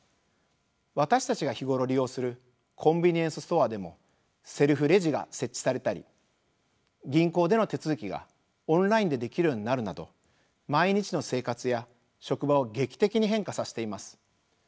私たちが日頃利用するコンビニエンスストアでもセルフレジが設置されたり銀行での手続きがオンラインでできるようになるなど毎日の生活や職場を劇的に変化させています。